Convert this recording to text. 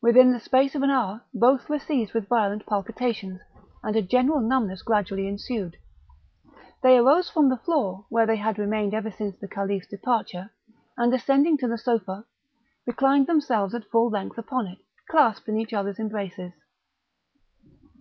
Within the space of an hour both were seized with violent palpitations, and a general numbness gradually ensued; they arose from the floor, where they had remained ever since the Caliph's departure, and, ascending to the sofa, reclined themselves at full length upon it, clasped in each other's embraces.